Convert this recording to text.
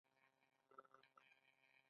دوی د خنزیر غوښه هم صادروي.